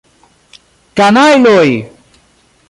Kanajloj!